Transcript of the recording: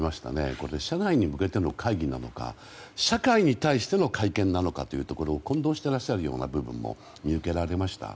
これは社内に向けての会議なのか社会に対しての会見なのかというところを混同していらっしゃるような部分も見受けられました。